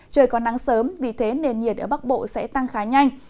trời còn nắng sớm vì thế nền nhiệt ở bắc bộ sẽ tăng khá nhanh